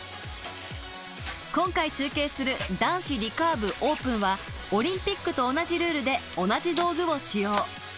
今回中継する男子リカーブオープンはオリンピックと同じルールで同じ道具を使用。